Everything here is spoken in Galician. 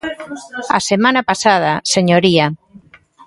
A semana pasada, señoría.